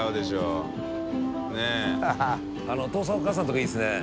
お父さんお母さんとかいいですね。